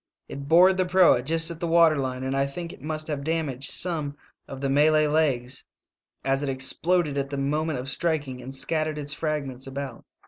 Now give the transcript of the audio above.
It bored the proa just at the water line, and I think it must have damaged some of the Malay legs, as it exploded at the moment of strik ing and scattered its fragments about.